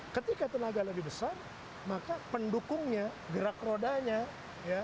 ketika tenaga lebih besar maka pendukungnya gerak rodanya ya